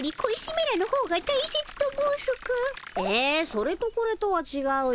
それとこれとはちがうよ。